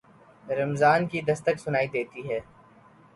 رمضان کی دستک سنائی دیتی ہے۔